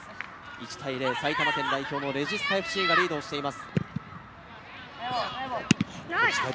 １対０、埼玉県代表のレジスタＦＣがリードしています。